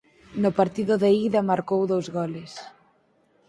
No partido de ida marcou dous goles.